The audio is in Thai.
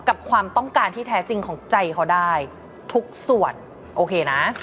กับความต้องการที่แท้จริงของใจเขาได้ทุกส่วนโอเคนะ